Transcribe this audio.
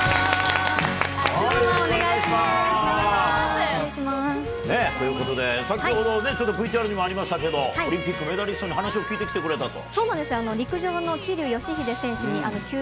お願いしまーす。ということで、先ほど、ちょっとＶＴＲにもありましたけど、オリンピックのメダリストに話を聞いてきてくれたと。